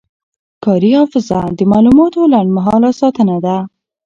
کاري حافظه د معلوماتو لنډمهاله ساتنه ده.